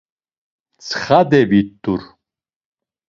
Mtsxade vit̆ur.